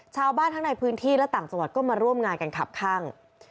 ชาวบ้านทั้งในพื้นที่และต่างจังหวัดก็มาร่วมงานกันขับข้าง